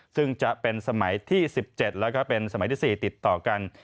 ซึ่งจะเป็นสมัยที่๑๗แล้วก็เป็นสมัยที่๔ติดต่อกัน